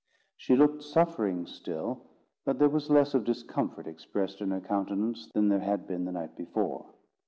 She looked suffering still, but there was less of discomfort expressed in her countenance than there had been the night before.